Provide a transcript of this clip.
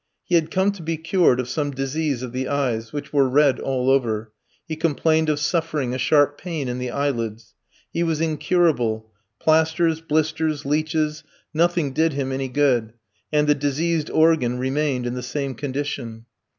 He had come to be cured of some disease of the eyes, which were red all over; he complained of suffering a sharp pain in the eyelids. He was incurable; plasters, blisters, leeches, nothing did him any good; and the diseased organ remained in the same condition.